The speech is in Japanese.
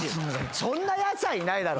そんなやつはいないだろ。